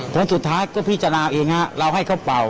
ฉะนั้นสุดท้ายก็พิจารณาเองฮะเราให้เขาเป่า